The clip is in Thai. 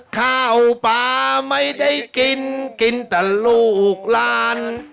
ข้าวปลาไม่ได้กินกินแต่ลูกหลาน